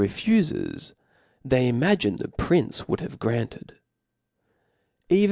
refufcfi, they, imagine the prince would have granted *: even qn?